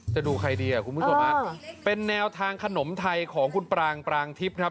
ดูใครดีอ่ะคุณผู้ชมฮะเป็นแนวทางขนมไทยของคุณปรางปรางทิพย์ครับ